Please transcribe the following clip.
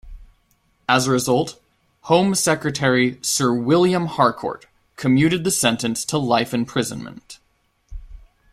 As a result, Home Secretary Sir William Harcourt commuted the sentence to life imprisonment.